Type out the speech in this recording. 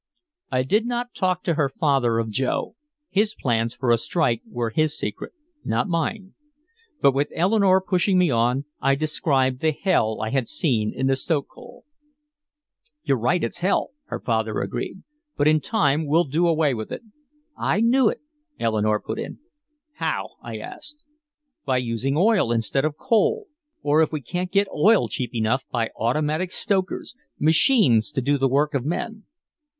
I did not talk to her father of Joe his plans for a strike were his secret, not mine. But with Eleanore pushing me on, I described the hell I had seen in the stokehole. "You're right, it's hell," her father agreed. "But in time we'll do away with it." "I knew it," Eleanore put in. "How?" I asked. "By using oil instead of coal. Or if we can't get oil cheap enough by automatic stokers machines to do the work of men."